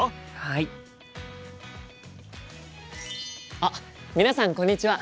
あっ皆さんこんにちは！